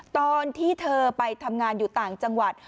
ตอนที่เธอไปทำงานอยู่ต่างจังหวัด